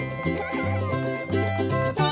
フフフ！